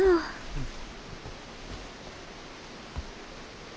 うん。